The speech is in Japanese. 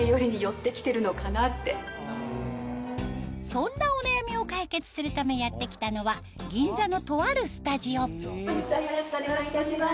そんなお悩みを解決するためやって来たのは銀座のとあるスタジオ本日はよろしくお願いいたします。